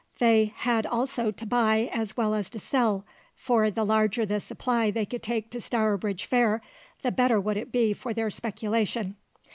They had also to buy as well as to sell, for the larger the supply they could take to Stourbridge Fair, the better would it be for their speculation.